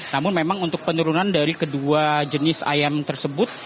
namun memang untuk penurunan dari kedua jenis ayam tersebut